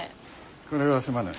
これはすまない。